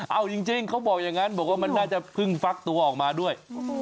เอาจริงเขาบอกอย่างนั้นบอกว่ามันน่าจะเพิ่งฟักตัวออกมาด้วย